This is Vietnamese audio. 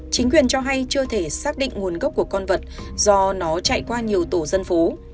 chính quyền cho hay chưa thể xác định nguồn gốc của con vật do nó chạy qua nhiều tổ dân phố